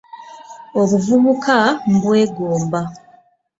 Obuvubuka mbwegomba.